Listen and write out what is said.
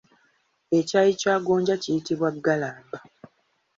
Ekyayi kya gonja kiyitibwa Ggalamba.